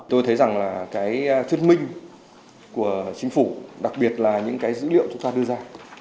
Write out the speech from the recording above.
tôi thấy rằng là cái thuyết minh của chính phủ đặc biệt là những cái dữ liệu chúng ta đưa ra